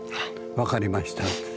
「分かりました」って。